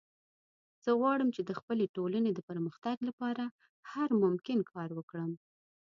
زه غواړم چې د خپلې ټولنې د پرمختګ لپاره هر ممکن کار وکړم